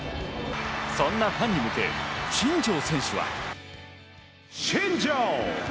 そんなファンに向け新庄選手は。